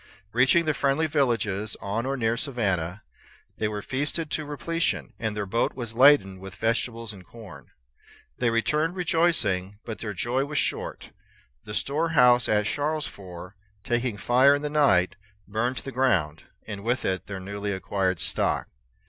Reaching the friendly villages, on or near the Savannah, they were feasted to repletion, and their boat was laden with vegetables and corn. They returned rejoicing; but their joy was short. Their store house at Charlesfort, taking fire in the night, burned to the ground, and with it their newly acquired stock.